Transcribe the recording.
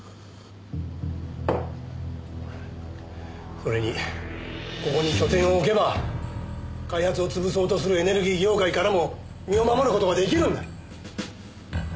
それにここに拠点を置けば開発を潰そうとするエネルギー業界からも身を守る事ができるんだ。